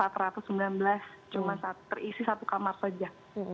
cuma terisi satu kamar saja